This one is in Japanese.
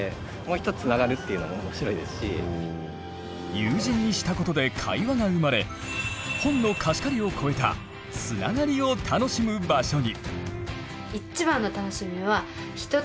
有人にしたことで会話が生まれ本の貸し借りをこえたつながりを楽しむ場所に！